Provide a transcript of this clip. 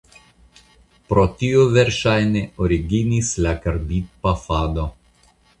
Pro tio verŝajne originis la karbidpafado.